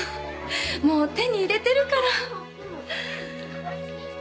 もう手に入れてるから。